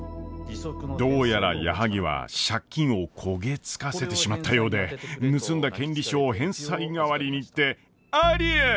どうやら矢作は借金を焦げつかせてしまったようで盗んだ権利書を返済代わりにってありえん！